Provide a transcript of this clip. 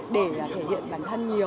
để thể hiện bản thân nhiều